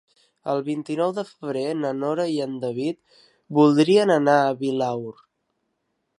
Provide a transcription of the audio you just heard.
El vint-i-nou de febrer na Nora i en David voldrien anar a Vilaür.